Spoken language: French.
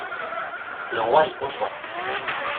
Le roi y consent.